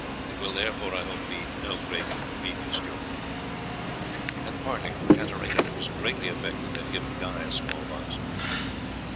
It will, therefore, I hope, be no great inconvenience to you." At parting, Katarina, who was greatly affected, had given Guy a small box.